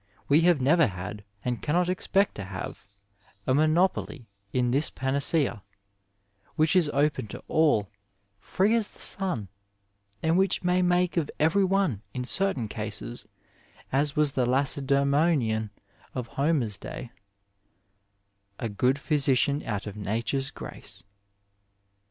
We have never had, and cannot expect to have, a monopoly in this panacea, which is open to all, free as the sun, and which may make of every one in certain cases, as was the Lacedemonian of Homer's day, " a good physician out of Nature's grace."